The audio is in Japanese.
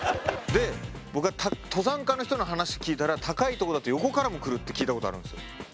で僕は登山家の人の話聞いたら高いとこだと横からも来るって聞いたことあるんですよ。